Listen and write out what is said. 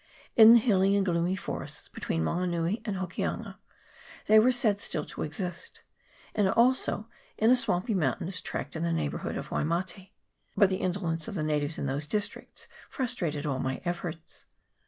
In the hilly and gloomy forests between Mango nui and Hokianga they were said still to exist, and also in a swampy mountainous tract in the neighbourhood of Waimate; but the indolence of the natives in those districts frustrated all my efforts.